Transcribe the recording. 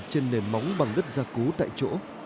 trên nền móng bằng đất gia cố tại chỗ